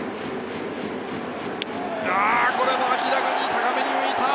これも明らかに高めに浮いた。